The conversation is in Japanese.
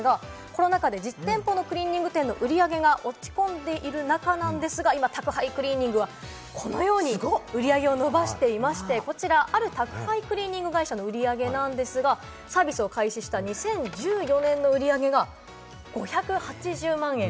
コロナ禍で実店舗のクリーニング店の売り上げが落ち込んでいる中なんですが、今宅配クリーニングはこのように売り上げを伸ばしていまして、ある宅配クリーニング会社の売り上げなんですが、サービスを開始した２０１４年の売り上げが５８０万円。